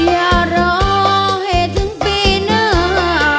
อย่ารอให้ถึงปีหน้า